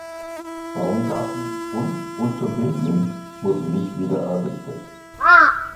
Baumgarten und Unterdöbling wurden nicht wieder errichtet.